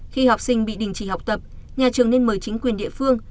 khi học sinh bị đình chỉ học tập nhà trường nên mời chính quyền địa phương